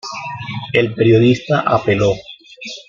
El periodista apeló.